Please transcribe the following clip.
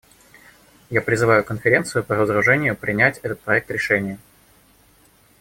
Я призываю Конференцию по разоружению принять этот проект решения.